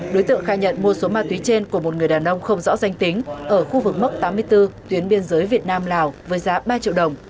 đối tượng khai nhận mua số ma túy trên của một người đàn ông không rõ danh tính ở khu vực mốc tám mươi bốn tuyến biên giới việt nam lào với giá ba triệu đồng